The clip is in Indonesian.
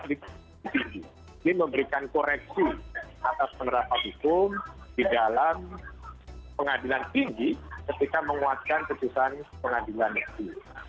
ini memberikan koreksi atas penerapan hukum di dalam pengadilan tinggi ketika menguatkan keputusan pengadilan negeri